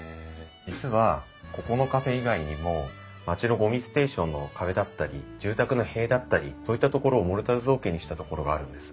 実はここのカフェ以外にも町のゴミステーションの壁だったり住宅の塀だったりそういったところをモルタル造形にしたところがあるんです。